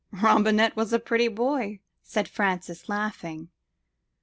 "Robinet was a pretty boy," said Francis, laughing."